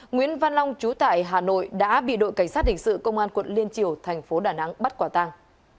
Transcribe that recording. nguyễn văn long chú tại hà nội đã bị đội cảnh sát hình sự công an quận liên triều thành phố đà nẵng bắt quả tàng